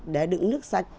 để đựng nước sạch